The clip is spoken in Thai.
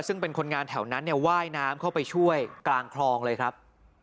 ซึ่งเป็นคนงานแถวนั้นเนี่ยว่ายน้ำเข้าไปช่วยกลางคลองเลยครับ